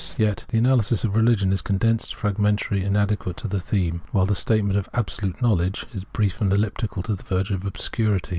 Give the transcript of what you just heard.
Yet the analysis of "Religion" is condensed, fragmentary, and inadequate to the theme ; while the statement of " Absolute Knowledge " is brief and eUiptical to' the verge of obscurity.